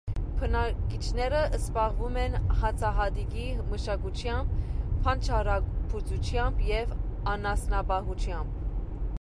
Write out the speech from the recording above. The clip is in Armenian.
Բնակիչները զբաղվում են հացահատիկի մշակությամբ, բանջարաբուծությամբ և անասնապահությամբ։